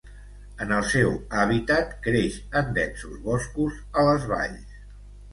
En el seu hàbitat, creix en densos boscos, a les valls.